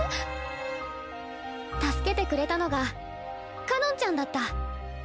助けてくれたのがかのんちゃんだった